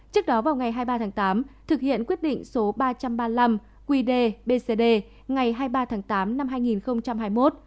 trước đó vào ngày hai mươi ba tháng tám thực hiện quyết định số ba trăm ba mươi năm qd bcd ngày hai mươi ba tháng tám năm hai nghìn hai mươi một